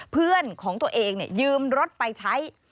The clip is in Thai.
เพื่อนของตัวเองยืมรถไปใช้